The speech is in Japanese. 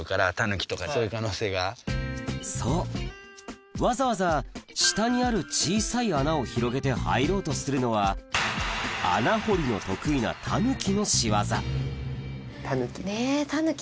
そうわざわざ下にある小さい穴を広げて入ろうとするのは穴掘りの得意なタヌキの仕業タヌキ。